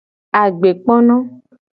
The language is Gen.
Agbekpono.